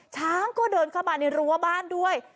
ช้างก็เดินเข้ามาในรั้วบ้านด้วย